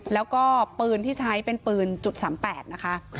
แล้วก็ปืนที่ใช้เป็นปืน๓๘นะคะ